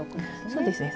そうですね